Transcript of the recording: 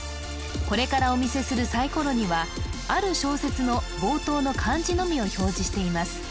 これからお見せするサイコロにはある小説の冒頭の漢字のみを表示しています